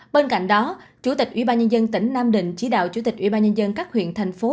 bên cạnh đó chủ tịch ủy ban nhân dân tỉnh nam định chỉ đạo chủ tịch ủy ban nhân dân các huyện thành phố